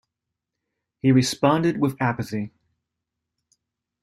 He responded with apathy.